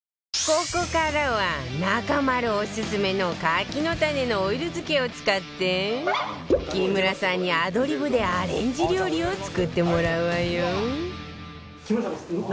ここからは中丸オススメの柿の種のオイル漬けを使って木村さんにアドリブでアレンジ料理を作ってもらうわよ